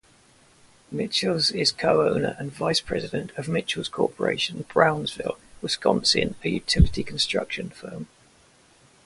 Michels is co-owner and vice-president of Michels Corporation, Brownsville, Wisconsin, a utility construction firm.